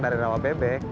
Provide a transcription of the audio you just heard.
dari rawa bebek